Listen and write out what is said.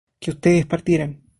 que ustedes partieran